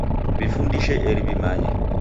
W'ifundishe eri w'imanye